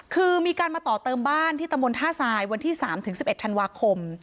คือมีการมาต่อเติมบ้านที่ตำบลท่าทรายวันที่๓๑๑ธันวาคม